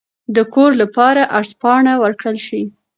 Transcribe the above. د کور لپاره عرض پاڼه ورکړل شي.